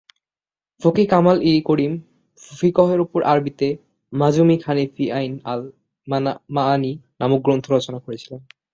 ফকিহ কামাল-ই-করিম ফিকহের উপর আরবিতে "মাজমু-ই-খানী ফি আইন আল-মাআনি" নামক গ্রন্থ রচনা করেছিলেন।